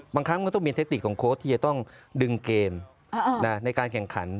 บางครั้งก็ต้องมีการที่จะต้องดึงเกมในการแข่งขัน